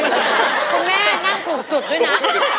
คุณแม่นั่งถูกจุดด้วยนะ